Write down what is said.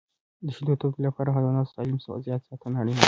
د شیدو د تولید لپاره د حیواناتو د سالم وضعیت ساتنه اړینه ده.